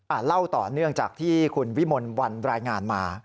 เล่าต่อเนื่องจากที่คุณวิมลวันรายงานมา